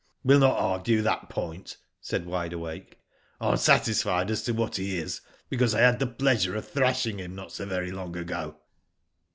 " We'll not argue that point/^ said Wide Awake. ^^Tm satisfied as to what he is because I had the pleasure of thrashing him not so very long ago."